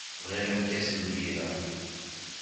Bɣiɣ lkas n lbirra.